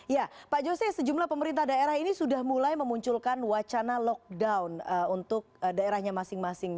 ya pak jose sejumlah pemerintah daerah ini sudah mulai memunculkan wacana lockdown untuk daerahnya masing masing